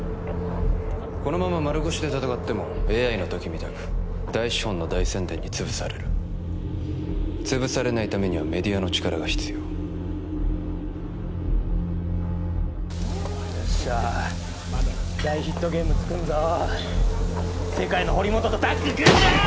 このまま丸腰で戦ってもＡＩの時みたく大資本の大宣伝につぶされるつぶされないためにはメディアの力が必要よっしゃ大ヒットゲーム作んぞ世界の堀本とタッグ組んで！